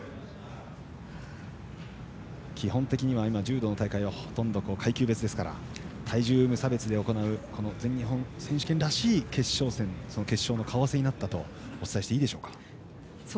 基本的には柔道の大会は階級別ですから体重無差別で行われるこの全日本選手権らしい決勝戦決勝の顔合わせになったとお伝えしていいでしょうか。